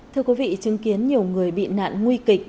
thưa quý vị chứng kiến nhiều người bị nạn nguy kịch